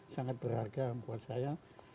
sangat berharga buat saya